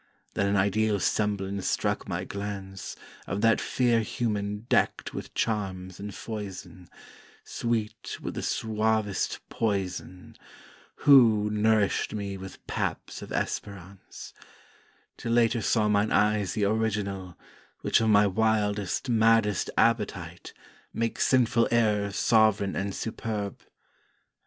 Then an Ideal semblance struck my glance Of that fere Human deckt with charms in foyson, Sweet with the suavest poyson, Who nourisht me with paps of Esperance; Till later saw mine eyes the original, Which of my wildest, maddest appetite Makes sinful error sovran and superb.